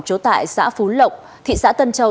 chố tại xã phú lộng thị xã tân châu